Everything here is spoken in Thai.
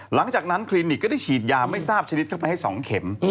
หลังจากนั้นคลินิกก็ได้ฉีดยาไม่ทราบชนิดเข้าไปให้๒เข็ม